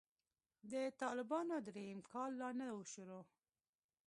د طالبانو درېيم کال لا نه و شروع.